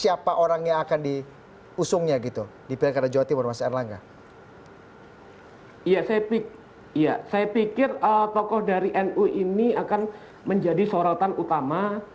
sapa orangnya akan diusungnya gitu dipelakai com